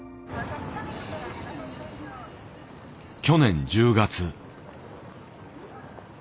去年１０月。